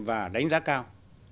và đánh giá cao